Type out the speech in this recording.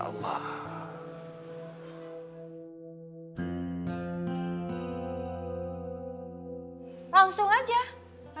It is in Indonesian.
kalo ambil ruang di rumah kamu berbeza juga